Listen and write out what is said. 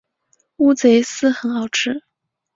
乌贼丝很好吃